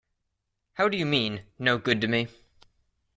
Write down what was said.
How do you mean, no good to me?